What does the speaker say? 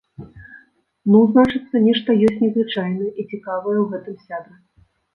Ну, значыцца, нешта ёсць незвычайнае і цікавае ў гэтым сябры.